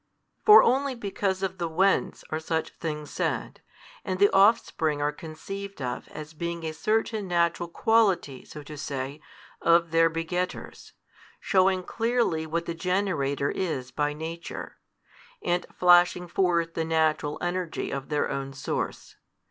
For only because of the 'whence,' are such things said, and the offspring are conceived of as being a certain natural quality, so to say, of their begetters, shewing clearly what the generator is by nature, and flashing forth the natural energy of their own source.